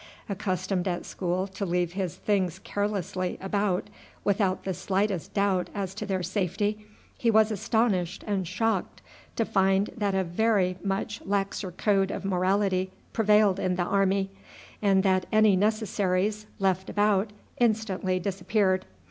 Accustomed at school to leave his things carelessly about without the slightest doubt as to their safety, he was astonished and shocked to find that a very much laxer code of morality prevailed in the army, and that any necessaries left about instantly disappeared.